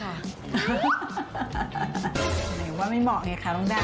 หมายว่าไม่เหมาะไงคะน้องดาว